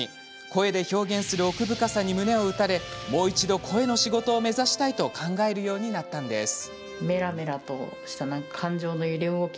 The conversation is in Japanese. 声で表現する奥深さに胸を打たれもう一度声の仕事を目指したいと考えるようになったのです。